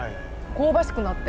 香ばしくなって。